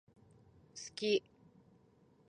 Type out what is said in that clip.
好き